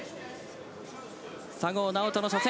佐合尚人の初戦。